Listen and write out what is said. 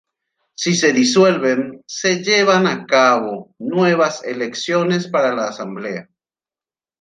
Si se disuelven, se llevan a cabo nuevas elecciones para la Asamblea.